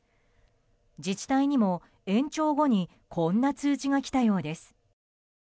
自治体にも延長後にこんな通知が来たようです。